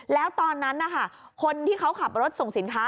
แล้วตอนนั้นนะคะคนที่เขาขับรถส่งสินค้า